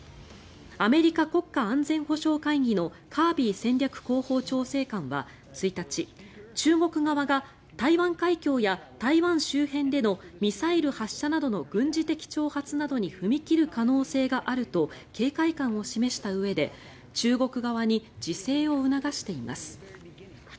アメリカ国家安全保障会議のカービー戦略広報調整官は１日中国側が台湾海峡や台湾周辺でのミサイル発射などの軍事的挑発などに踏み切る可能性があると警戒感を示したうえで中国側に自制を促しています。